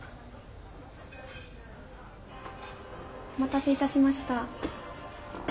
お待たせいたしました。